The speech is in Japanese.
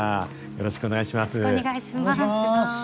よろしくお願いします。